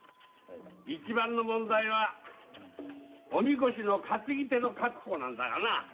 一番の問題はお神輿の担ぎ手の確保なんだがな。